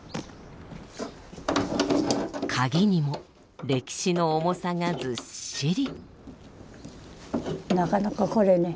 鍵にも歴史の重さがずっしり。